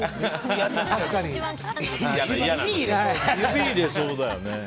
指、入れそうだよね。